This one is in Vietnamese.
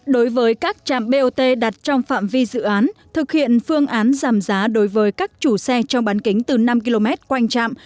đối với các trạm bot đặt trong phạm vi dự án thực hiện phương án giảm giá đối với các chủ xe trong bán kính từ năm km quanh trạm